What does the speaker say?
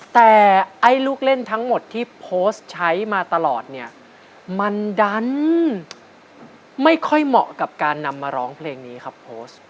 แต่ไอ้ลูกเล่นทั้งหมดที่โพสต์ใช้มาตลอดเนี่ยมันดันไม่ค่อยเหมาะกับการนำมาร้องเพลงนี้ครับโพสต์